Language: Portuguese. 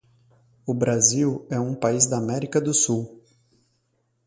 O Brasil é um país da América do Sul.